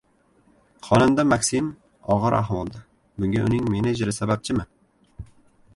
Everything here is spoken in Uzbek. Xonanda MakSim og‘ir ahvolda. Bunga uning menejeri sababchimi?